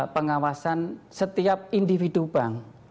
pengawasan setiap individu bank